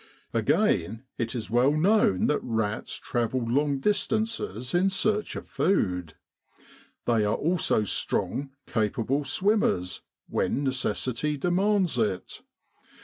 Again, it is well known that rats travel long distances in search of food. They are also strong, capable swimmers, when necessity demands it.